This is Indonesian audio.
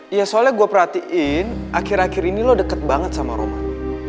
iya soalnya gue perhatiin akhir akhir ini lo deket banget sama roman